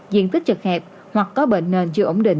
diện tích chật hẹp hoặc có bệnh nền chưa ổn định